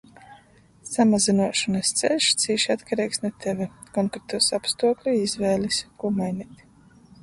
Samazynuošonys ceļš cīši atkareigs nu Teve, konkretūs apstuokļu i izvēlis – kū maineit.